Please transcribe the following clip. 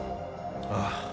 ああ。